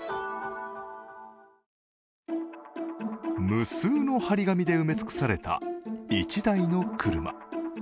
無数の貼り紙で埋め尽くされた１台の車。